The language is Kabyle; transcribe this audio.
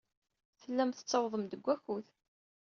Tellam tettawḍem-d deg wakud.